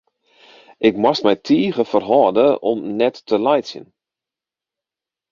Ik moast my tige ferhâlde om net te laitsjen.